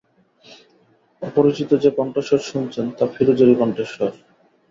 অপরিচিত যে কণ্ঠস্বর শুনছেন, তা ফিরোজেরই কণ্ঠস্বর।